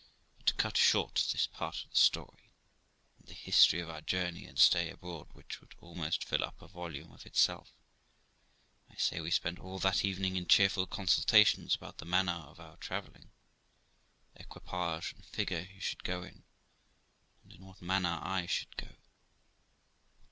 But, to cut short this part of the story, and the history of our journey and stay abroad, which would almost fill up a volume of itself, I say we spent all that evening in cheerful consultations about the manner of our travelling, the equipage and figure he should go in, and in what manner I should go.